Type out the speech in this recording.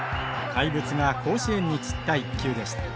怪物が甲子園に散った一球でした。